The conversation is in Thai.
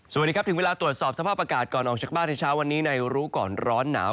สวัสดีครับถึงเวลาตรวจสอบสภาพอากาศก่อนออกจากบ้านในเช้าวันนี้ในรู้ก่อนร้อนหนาว